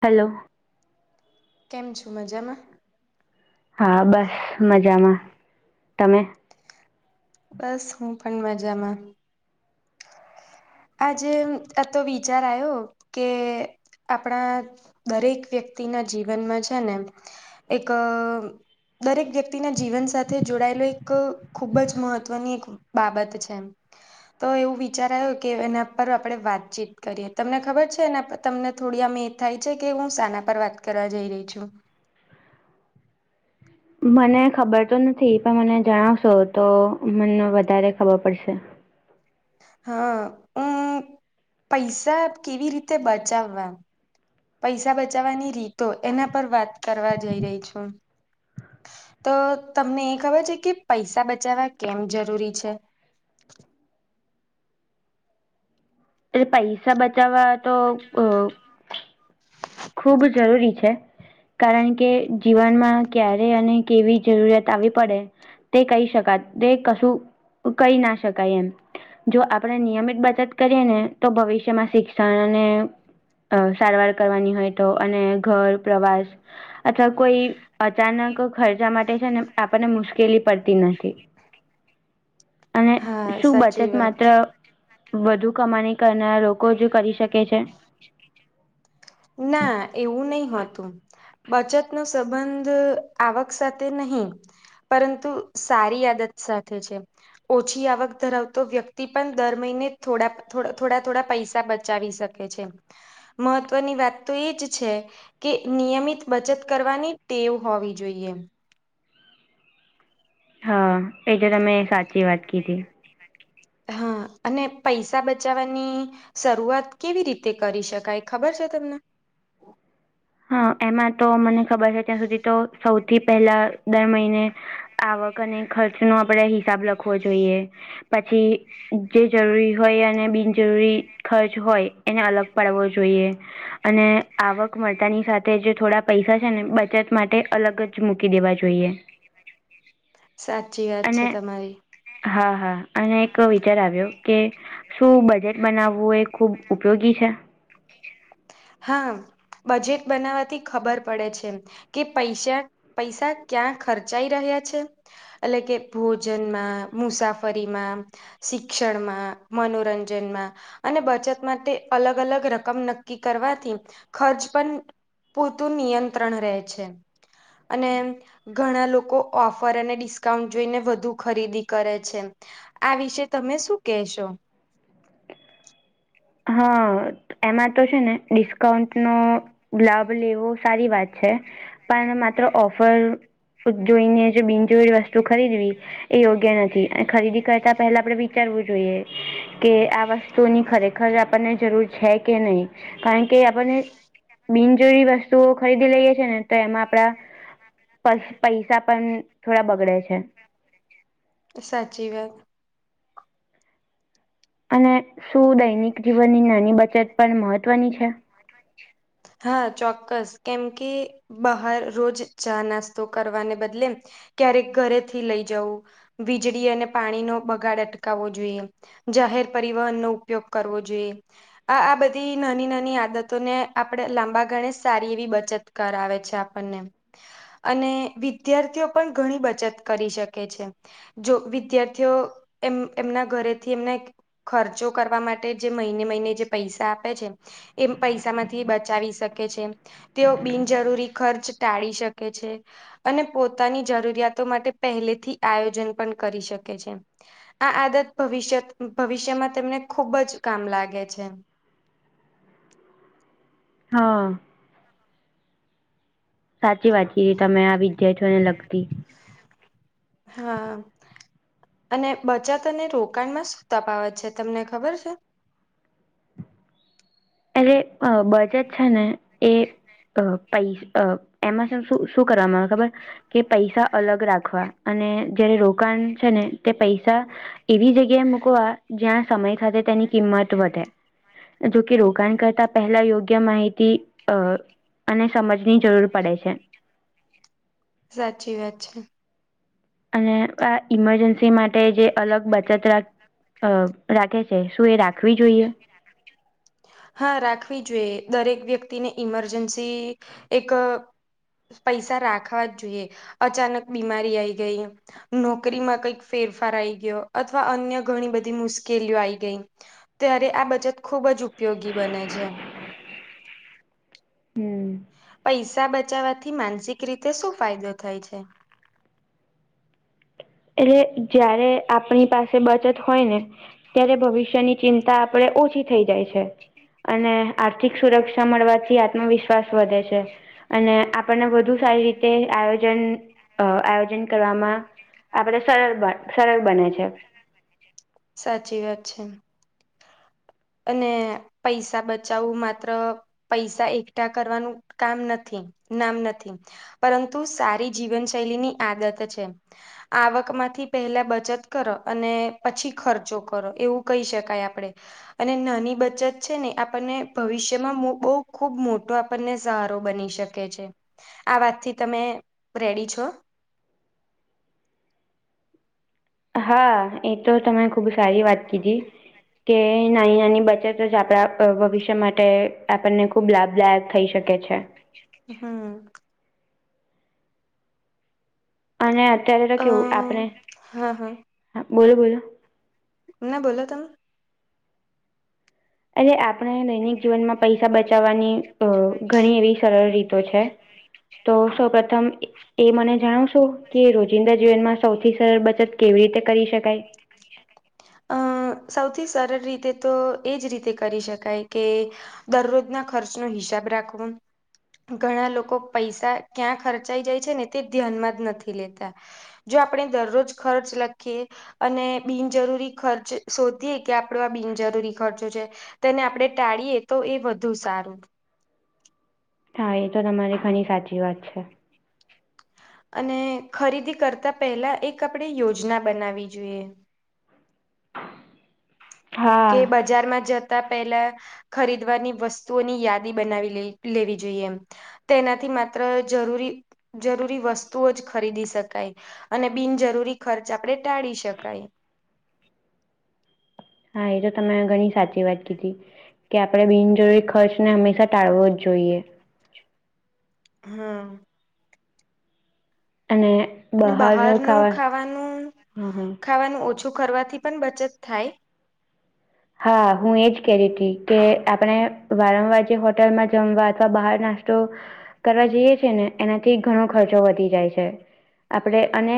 Hello. કેમ છે મજમાં? હા બસ મજામાં. તમે? બસ હું પણ મજામાં. આજે આ તો વિચાર આવ્યો કે આપણા દરેક વ્યક્તિના જીવનમાં છે ને એક અ દરેક વ્યક્તિના જીવન સાથે જોડાયેલો એક ખૂબ જ મહત્વની એક બાબત છે એમ તો એવું વિચારું આયો કે એના પર આપણે વાતચીત કરીએ તમને ખબર છે એના પર તમને થોડી આમ એ થાય છે કે હું સાના પર વાત કરું કરવા જઈ રહી છું. મને ખબર તો નથી પણ મને જણાવશો તો મને વધારે ખબર પડશે. હા હ પૈસા કેવી રીતે બચાવવા. પૈસા બચાવવાની રીતો એના પર વાત કરવા જઈ રહી છું. તો તમને એ ખબર છે કે પૈસા બચાવવા કેમ જરૂરી છે. એટલે પૈસા બચાવવા તો અ ખૂબ જરૂરી છે કારણ કે જીવનમાં ક્યારે અને કેવી જરૂરિયાત આવી પડે તે કહી શકાય તે કશું કહી ના શકાય એમ. જો આપણે નિયમિત બચત કરીએ ને તો ભવિષ્યમાં શિક્ષણ અને અ સારવાર કરવાની હોય તો અને ઘર પ્રવાસ અથવા કોઈ અચાનક ખર્ચા માટે છે ને આપણને મુશ્કેલી પડતી નથી. [unintelligible] અને હા શું સાચી બચત વાત. માત્ર વધુ કમાણી કરના લોકો જ કરી શકે છે. ના એવું નહી હોતું. બચત નો સંબંધ આવક સાથે નહી. પરંતુ સારી આદત સાથે છે. ઓછી આવક ધરાવતો વ્યક્તિ પણ દર મહિને થોડા થોડા થોડા પૈસા બચાવી શકે છે મહત્વનુ મહત્વ ની વાત તો એ જ છે કે નિયમિત બચત કરવાની ટેવ હોવી જોઈએ. હા એજ તમે સાચી વાત કીધી હા અને પૈસા બચાવવાની શરૂઆત કેવી રીતે કરી શકાય ખબર છે તમને. હા એમાં તો મને ખબર હા છે ત્યાં સુધી મને તો ખબર નથી સૌથી સુધી તો પહેલા દર સૌથી મહિને પહેલા દર મહિને આવક અને ખર્ચ નો આવક આપડે અને એક હિસાબ ખર્ચનો રાખવો આપણે જોઈએ હિસાબ રાખવો પછી જોઈએ જે જરૂરી હોય અને જરૂરી બિનજરૂરી હોય અને ખર્ચ બિનજરૂરી હોય એને ખર્ચ અલગ હોય પાડવો એને જોઈએ. અલગ કરવો અને જોઈએ આવક અને માટે માતાની સાથે આવક જે થોડા વધતાની પૈસા સાથે છે જે ને થોડા બચત પૈસા છે માટે ને બચત અલગ જ માટે મૂકી દેવા અલગ જ જોઈએ. મૂકી સાચી વાત છે અને તમારી. હા હા અને એક હા હા વિચાર અને આવ્યો એક કે વિચાર આવ્યો શું કે બજેટ બનાવવું એ બજેટ ખુબ બનાવવું એ ઉપયોગી છે. હા બજેટ બનાવાથી ખબર પડે છે. કે પૈસા પૈસા ક્યાં ખર્ચાઈ રહ્યા છે. એટલે કે ભોજનમાં મુસાફરીમાં શિક્ષણમાં મનોરંજનમાં અને બચત માટે અલગ અલગ રકમ નક્કી કરવાથી ખર્ચ પણ પુરતું નિયંત્રણ રહે છે. અને ઘણા લોકો ઓફર અને ડિસ્કાઉન્ટ જોઈને વધુ ખરીદી કરે છે. આ વિશે તમે શું કેહેશો? હા એમાં તો છે ને ડિસ્કાઉન્ટ નો લાભ લેવો સારી વાત છે પણ માત્ર ઓફર જોઈનેજ બિનજરૂરી વસ્તુ ખરીદવી એ યોગ્ય નથી અને ખરીદી કરતા પહેલા આપડે વિચારવું જોઈએ કે આ વસ્તુની ખરેખર ખર આપણને જરૂર છે કે નહી કારણ કે આપણને બિનજરી વસ્તુઓ ખરીદી લઈએ છીએ છે ને તો એમાં આપડા પણ પૈસા પણ થોડા બગડે છે. સાચી વાત. અને શું દૈનિક જીવનની નાની બચત પણ મહત્ત્વની છે? હા ચોક્કસ કેમ કે બહાર રોજ ચા નાસ્તો કરવાને બદલે, ક્યારેક ઘરેથી લઈ જવું. વીજળી અને પાણી નો બગાડ અટકાવવો જોઈએ. જાહેર પરિવહનનો ઉપયોગ કરવો જોઈએ, આ આ બધી નાની નાની આદતોને. આપણે લાંબા ગાળે સારી એવી બચત કરાવે છે આપણને. અને વિદ્યાર્થીઓ પણ ઘણી બચત કરી શકે છે. જો વિદ્યાર્થીઓ એમ એમના ઘરેથી એમના ખર્ચો કરવા માટે જે મહિને મહિને જે પૈસા આપે છે, એમ પૈસા માંથી થી બચાવી શકે છે, તેઓ બિનજરૂરી ખર્ચ ટાળી શકે છે. અને પોતાની જરૂરિયાતો માટે પહેલેથી આયોજન પણ કરી શકે છે. આ આદત ભવિષ્યત ભવિષ્યમાં તેમને ખુબ જ કામ લાગે છે. હા. સાચી વાત કી રી તમે આ વિદ્યાર્થીઓને લગતી. હા. અને બચતને રોકાણમાં શું તફાવત છે તમને ખબર છે? અરે બજેટ છે ને એ એ પૈસા એમાંન શ શું કરવામાં આવે ખબર. કે પૈસા અલગ રાખવા અને જયારે રોકાણ છે ને તે પૈસા એવી જગ્યાએ મૂકવા જ્યાં સમય થ તેની કિંમત વધે, જોકે રો કાણ કરતાં પહેલા યોગ્ય માહિતી અ અને સમજની જરૂર પડે છે. સાચી વાત છે. અને આ ઇમરજન્સી માટે જે અલગ બચત રાખ અ રાખે છે શું એ રાખવી જોઈએ? હા રાખવી જોઈએ દરેક વ્યક્તિને ઈમરજન્સી, એક પૈસા રાખવા જ જોઈએ, અચાનક બીમારી આઈ ગઈ. નોકરીમાં કઈક ફેરફાર આઈ ગયો અથવા અન્ય ઘણી બધી મુશ્કેલીઓ આઈ ગઈ. ત્યારે આ બચત ખુબ જ ઉપયોગી બને છે. હમ. પૈસા બચાવવાથી માનસિક રીતે શું ફાયદો થાય છે? એટલે જયારે આપણી પાસે બચત હોય ને, ત્યારે ભવિષ્યની ચિંતા આપણેે ઓછી થઈ જાય છે. અને આર્થિક સુરક્ષા મળવાથી આત્મવિશ્વાસ વધે છે. અને આપણને વધુ સારી રીતે આયોજન આયોજન કરવામાં આપડ સરળ સરળ બને છે. સાચી વાત છે. અને પૈસા બચાવું માત્ર પૈસા એકઠા કરવાનું કામ નથી નામ નથી. પરંતુ સારી જીવનશૈલીની આદત છે. આવક માંથી પેહેલા બચત કરો અને પછી ખર્ચો કરો એવું કહી શકાય આપણે અને નાની બચત છે ને આપણને ભવિષ્યમાં બહુ ખૂબ મોટો આપણને સહારો બની શકે આ વાતથી તમે રેડી છો. હા એ તો તમે ખુબ સારી હા વાત કીધી. કે નાની નાની બચત જ આપણા ભવિષ્ય માટે આપણને ખૂબ લાભદાયક થઈ શકે છે. હા. અને અત્યારે તો અ કેવું, આપણે હા હા બોલો બોલો. ના બોલો તમ. એ આપણે દૈનિક જીવનમાં પૈસા બચાવવાની અ ઘણી એવી સરળ રીતો છે. તો સૌપ્રથમ એ મને જણાવશો કે રોજિંદા જીવનમાં સૌથી સરળ બચત કેવી રીતે કરી શકાય. હા સૌથી સરળ રીતે તો એજ રીતે કરી શકાય કે દરરોજના ખર્ચ નો હિસાબ રાખવો. ઘણા લોકો પૈસા ક્યાં ખર્ચાઈ જાય છે ને તે ધ્યાનમાં જ નથી લેતા. જો આપણે દરરોજ ખર્ચ લખીએ. અને બિનજરૂરી ખર્ચ શોધીએ કે આપણો આ બિનજરૂરી ખર્ચો છે. તેને આપણે ટાળીએ તો એ વધુ સારું હા એ તો તમારી ઘણી સાચી વાત છે. અને ખરીદી કરતા પહેલા એક આપણે યોજના બનાવી જોઈએ. હા કે બજારમાં જતા પેલા ખરીદવારની વસ્તુઓની યાદી બનાવી લેવી જોઈએ એમ તેનાથી માત્ર જરૂરી જરૂરી વસ્તુઓ જ ખરીદી શકાય અને બિનજરૂરી ખર્ચ આપણે ટાળી શકાય. હા એ તો તમે ઘણી સાચી વાત કીધી કે આપડણે બિનજરૂરી ખર્ચ ને હંમેશા ટાળવો જ જોઈએ. હા. અને અને બહાર બહારનું ખાવા ખાવાનું હ હા ખાવાનું ઓછું કરવાથી પણ બચત થાય. હા હું એજ ક હતી કે આપણે. વારંવાર જે હોટલમાં જમવા અથવા બહાર નાસ્તો. કરવા જઈએ છ છે ને એનાથી ઘણો ખર્ચો વધી જાય છે આપણે અને.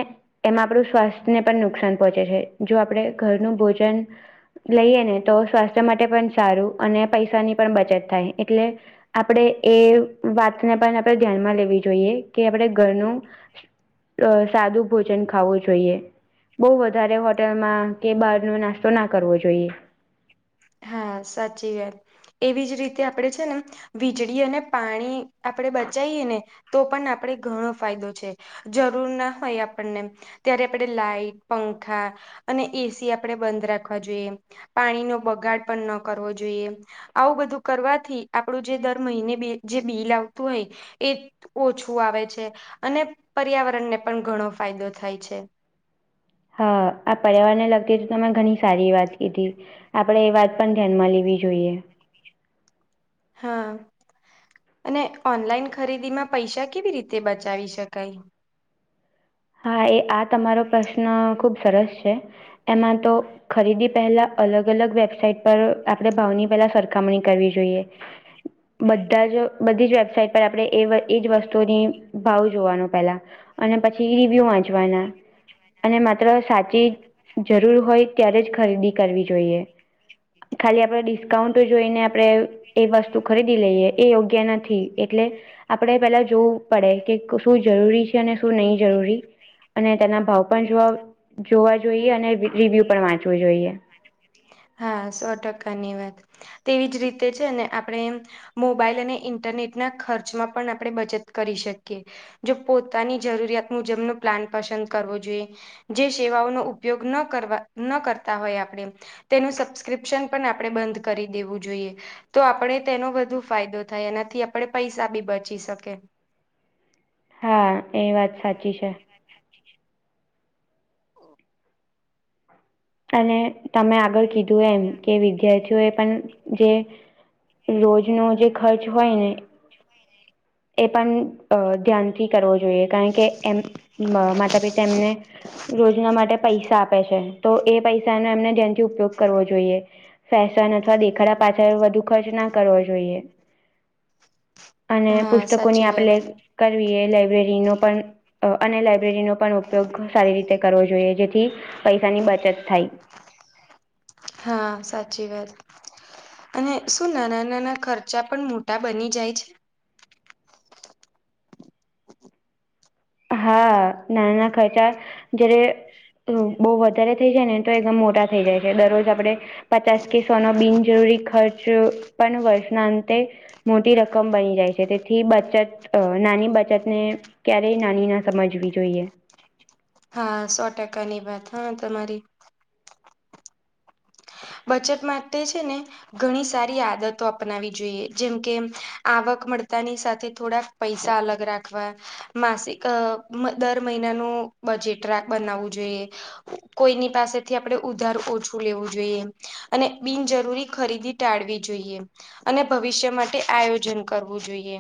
એમાં આપણું સ્વાસ્થ્યને પણ નુકસાન પહોંચે છે જો આપણે ઘરનું ભોજન. લઈએ ને તો સ્વાસ્થ્ય માટે પણ સારું અને પૈસાની પણ બચત થાય એટલે. આપણેે એ વાતને પણ આપણે ધ્યાનમાં લેવી જોઈએ કે આપણે ઘરનું. અ સાદું ભોજન ખાવું જોઈએ. બઉુ વધારે હોટલમાં કે બહાર નો નાસ્તો ના કરવો જોઈએ. હા સાચી વાત એવી જ રીતે આપણે છે ને. વીજળી અને પાણી આપણે બચીએ ને તો પણ આપણે ઘણો ફાયદો છે. જરૂર ના હોય આપણને. ત્યારે આપણે લાાઈટ પંખા અને એસી આપણે બંધ રાખવા જોઈએ. પાણી નો બગાડ પણ ન કરવો જોઈએ. આવું બધું કરવાથી આપણું જે દર મહિને જે બિલ આવતું હોય એ. ઓછું આવે છે અને પર્યાવરણને પણ ઘણો ફાયદો થાય છે. હા આ પર્યાવાર ને લગતી હતી તમે ઘણી સારી વાત કીધી. આપડે એ વાત પણ ધ્યાનમાં લેવી જોઈએ. હા. અને ઓનલાઈન ખરીદી માં પૈસા કેવી રીતે બચાવી શકાય. હા એ આ તમારો પ્રશ્ન ખૂબ સરસ છે એમાં તો. ખરીદી પહેલા અલગ અલગ વેબસાઇટ પર આપડણે ભાવની પહેલા સરખામણી કરવી જોઈએ. [inaudible] બધા જ બધી જ વેબસાાઈટ પર આપણે એ એજ વસ્તુની ભાવ જોવાનો પેલાં. અને પછી રિવ્યુ વાચવાના. અને માત્ર સાચી જરૂર હોય ત્યારે જ ખરીદી કરવી જોઈએ. ખાલી આપણે ડિસ્કાઉન્ટ જોઈને આપણે. એ વસ્તુ ખરીદી લઈએ એ યોગ્ય નથી એટલે. આપણે પેલા જોવું પડે કે શું જરૂરી છે અને શું નહીં જરૂરી. અને તેના ભાવ પણ જોવા જોવા જોઈએ, અને રિવ્યુ પણ વાંચવું જોઈએ. હા સો ટકાની વાત. તેવી જ રીતે છે ને આપણે મોબાઈલ અને ઇન્ટરનેટના ખર્ચમાં પણ આપણે બચત કરી શકીએ. જો પોતાની જરૂરિયાત મુજબનો પ્લાન પસંદ કરવો જોઈએ. જે સેવાઓનો ઉપયોગ ન કરવા ન કરતા હોય આપણે તેનું સબસ્ક્રિપ્શન પણ આપણે બંધ કરી દેવું જોઈએ. તો આપણે તેનો વધુ ફાયદો થાય, એનાથી આપણે પૈસા બી બચી શકે. હા! એ વાત સાચી છે. અને તમે આગળ કીધું એમ કે વિદ્યાર્થીઓ એ પણ જે રોજનો જે ખર્ચ હોય ને એ પણ ધ્યાનથી કરવો જોઈએ કારણ કે એમ અ માતા પિતા એમને રોજના માટે પૈસા આપે છે. તો એ પૈસાનો એમને ધ્યાનથી ઉપયોગ કરવો જોઈએ. ફેશન અથવા દેખાડા પાછળ વધુ ખર્ચ ના કરવો જોઈએ. [inaudible] અને હા પુસ્તકોની સાચી આપ વાત લે કરવી એ લાઈબ્રેરીનો પણ અ અને લાયબ્રેરીનો પણ ઉપયોગ સારી રીતે કરવો જોઈએ, જેથી પૈસાની બચત થાય. હા! સાચી વાત. અને શું નાના નાના ખર્ચા પણ મોટા બની જાય છે હા, નાનાના ખર્ચા જ્યારે તો બહુ વધારે થઈ જાય ને તો એકદમ મોટા થઇ જાય છે. દરરોજ આપડે પચાસ કે સોનો બિનજરૂરી ખર્ચ પણ વર્ષના અંતે મોટી રકમ બની જાય છે તેથી બચત અ નાની બચત ને ક્યારે નાની ના સમજવી જોઈએ. હા સો ટકાની વાત હો તમારી. બચત માટે છે ને ઘણી સારી આદતો અપનાવી જોઈએ. જેમકે, આવક મળતાની સાથે થોડા પૈસા અલગ રાખવા માસિક અ દર મહિનાનું બજેટ રાક બનાવવું જોઈએ. કોઈની પાસેથી આપડે ઉધાર ઓછું લેવું જોઈએ. અને બિનજરૂરી ખરીદી ટાળવી જોઈએ. અને ભવિષ્ય માટે આયોજન કરવું જોઈએ.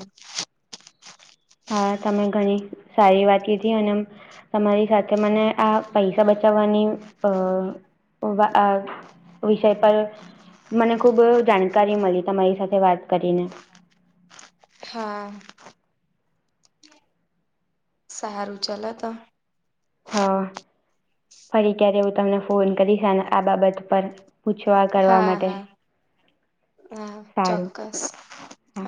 હા, તમે ઘણી સારી વાત કીધી અને તમારી સાથે મને આ પૈસા બચાવવાની અ વા આ વિષય પર મને ખૂબ જાણકારી મલી તમારી સાથે વાત કરીને. હા. સારું ચલો તો. હ.. ફરી ક્યારે હું તમને ફોન કરીશ અને આ બાબત પર પૂછવા કરવા હા માટે હા હા! સારું ચોક્ક હા